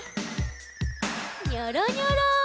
ニョロニョロ。